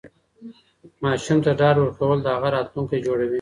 ماشوم ته ډاډ ورکول د هغه راتلونکی جوړوي.